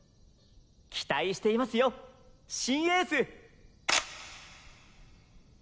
期待していますよ新エース！